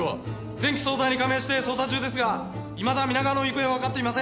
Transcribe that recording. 全機捜隊に下命して捜査中ですがいまだ皆川の行方はわかっていません。